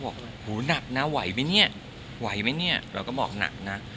บอกโหหนักนะไหวไหมเนี่ยไหวไหมเนี่ยเราก็บอกหนักนะ